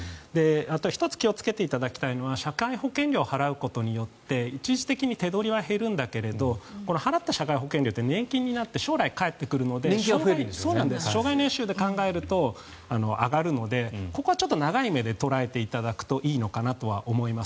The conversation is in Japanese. １つ気をつけていただきたいのは社会保険料を払うことによって一時的に手取りは減るんだけど払った社会保険料というのは年金になって将来になって帰ってくるので生涯所得で考えると上がるのでここは長い目で捉えていただくといいのかなと思います。